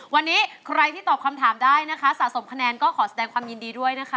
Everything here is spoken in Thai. วันนี้ใครที่ตอบคำถามได้นะคะสะสมคะแนนก็ขอแสดงความยินดีด้วยนะคะ